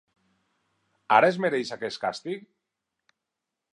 Ara es mereix aquest càstig?